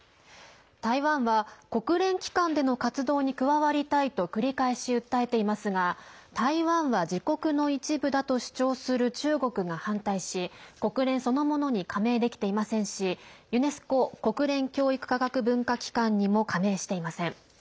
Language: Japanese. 台湾は国連機関での活動に加わりたいと繰り返し訴えていますが台湾は自国の一部だと主張する中国が反対し国連そのものに加盟できていませんしユネスコ＝国連教育科学文化機関にも加盟していません。